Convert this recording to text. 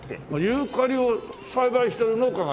ユーカリを栽培してる農家があるんだ。